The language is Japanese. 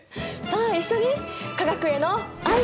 さあ一緒に化学への愛と。